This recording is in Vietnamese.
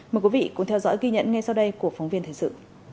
mời quý vị cùng theo dõi ghi nhận ngay sau đây của phóng viên thời sự